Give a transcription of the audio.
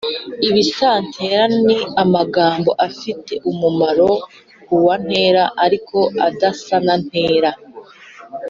ibisantera ni amagambo afite umumaro nk’uwa ntera ariko adasa na ntera